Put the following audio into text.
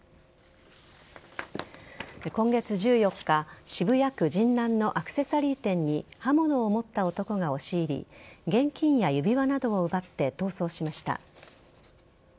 今月１４日、渋谷区神南のアクセサリー店に刃物を持った男が押し入り現金や指輪などを奪って逃走しました。